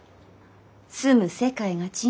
住む世界が違う。